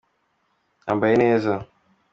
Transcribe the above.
yambaye neza.